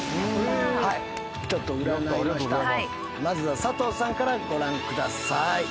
まずは佐藤さんからご覧ください。